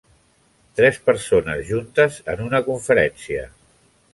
Tres persones juntes en una conferència